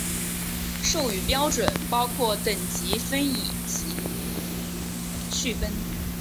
授予标准包括等级分以及序分。